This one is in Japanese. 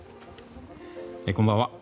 こんばんは。